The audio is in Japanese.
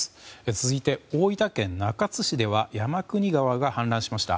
続いて、大分県中津市では山国川が氾濫しました。